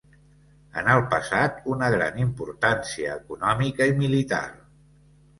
En el passat una gran importància econòmica i militar.